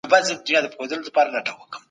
د انسان فکر هره ورځ وده کوي.